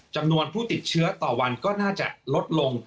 จำนวนผู้ติดเชื้อต่อวันก็น่าจะลดลง